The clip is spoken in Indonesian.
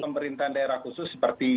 pemerintahan daerah khusus seperti